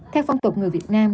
theo phong tục người việt nam